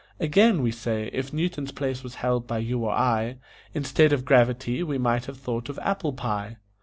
Again we say, if Newton's place was held by you or I, Instead of gravity we might have thought of apple pie.